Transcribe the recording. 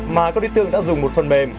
mà các đối tượng đã dùng một phần bán hàng